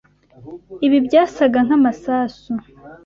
Ibi byasaga nkamasasu.